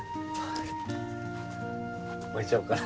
置いちゃおうかな